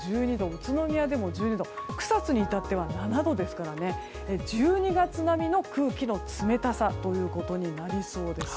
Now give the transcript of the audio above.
宇都宮でも１２度草津に至っては７度ですから１２月並みの空気の冷たさということになりそうです。